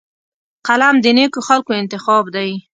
قلم د نیکو خلکو انتخاب دی